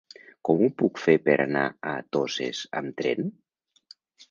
Com ho puc fer per anar a Toses amb tren?